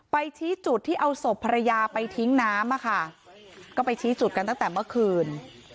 ชี้จุดที่เอาศพภรรยาไปทิ้งน้ำอะค่ะก็ไปชี้จุดกันตั้งแต่เมื่อคืน